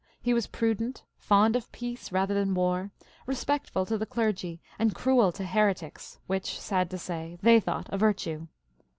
He was prudent, fond of peace rather than war, respectful to th,e clergy, and cruel to heretics, which, sad to say, they thought a virtue.